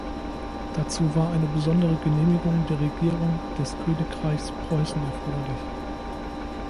Dazu war eine besondere Genehmigung der Regierung des Königreichs Preußen erforderlich.